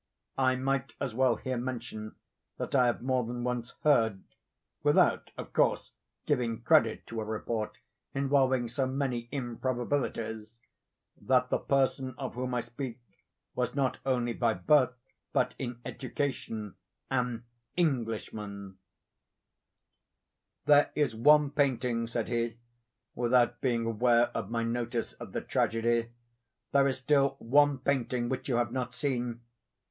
I might as well here mention, that I have more than once heard, (without, of course, giving credit to a report involving so many improbabilities,) that the person of whom I speak, was not only by birth, but in education, an Englishman. "There is one painting," said he, without being aware of my notice of the tragedy—"there is still one painting which you have not seen."